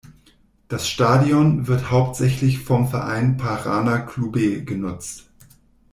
Das Stadion wird hauptsächlich vom Verein Paraná Clube genutzt.